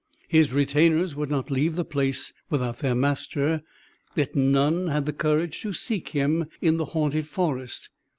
His retainers would not leave the place without their master, but yet none had the courage to seek him in the haunted forest.